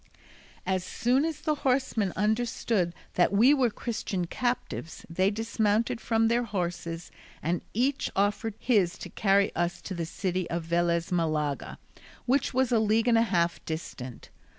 As soon as the horsemen understood that we were Christian captives, they dismounted from their horses, and each offered his to carry us to the city of Velez Malaga, which was a league and a half distant.